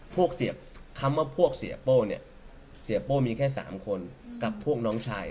พวกเสียคำว่าพวกเสียโป้เนี่ยเสียโป้มีแค่๓คนกับพวกน้องชาย